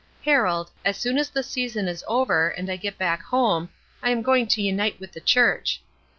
Harold, as soon as the season is over, and I get back home, I am going to unite with the church?